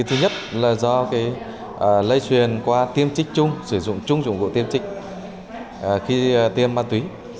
thứ nhất là do lây truyền qua tiêm trích chung sử dụng chung dụng cụ tiêm trích khi tiêm ma túy